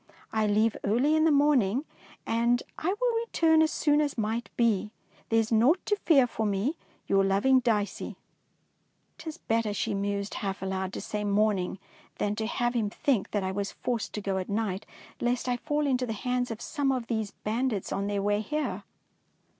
I leave early in the morning, and will return as soon as might be. There is naught to fear for me. Your loving Dicey." '' 'Tis better,'' she mused, half aloud, " to say ' morning ' than to have him think that I was forced to go at night, lest I fall into the hands of some of these bandits on their way here.